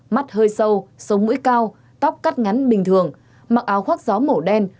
mắt hơi sâu sống mũi cao tóc cắt ngắn bình thường mặc áo khoác gió màu đen